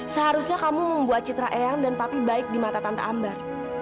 seharusnya kamu membuat citra eyang dan papi baik di mata tante ambar